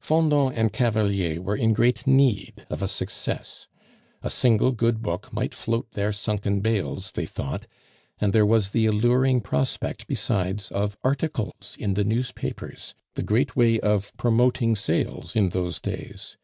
Fendant and Cavalier were in great need of a success. A single good book might float their sunken bales, they thought; and there was the alluring prospect besides of articles in the newspapers, the great way of promoting sales in those days.